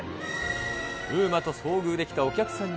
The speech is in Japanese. ＵＭＡと遭遇できたお客さん